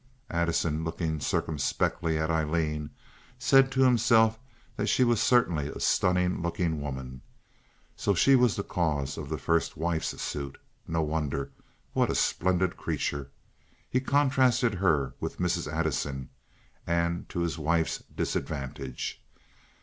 Addison, looking circumspectly at Aileen, said to himself that she was certainly a stunning looking woman. So she was the cause of the first wife's suit. No wonder. What a splendid creature! He contrasted her with Mrs. Addison, and to his wife's disadvantage.